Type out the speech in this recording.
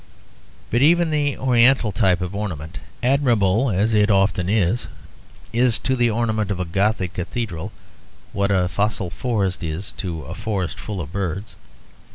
But even the oriental type of ornament, admirable as it often is, is to the ornament of a gothic cathedral what a fossil forest is to a forest full of birds.